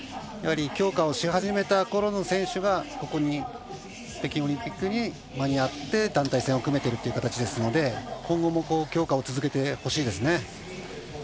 やはり強化をし始めたころの選手がここに北京オリンピックに間に合って団体戦を組めているという形ですので今後も強化を続けてほしいですね。